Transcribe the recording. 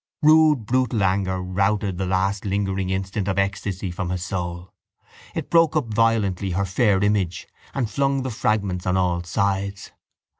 Rude brutal anger routed the last lingering instant of ecstasy from his soul. It broke up violently her fair image and flung the fragments on all sides.